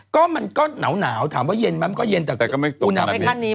ก็มันก็เหนาถามว่าเย็นมั้ยมันก็เย็นผ่านเดียวกัน